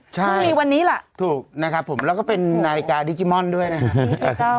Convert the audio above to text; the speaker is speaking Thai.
ใช่เพิ่งมีวันนี้ล่ะถูกนะครับผมแล้วก็เป็นนาฬิกาดิจิมอนด้วยนะครับ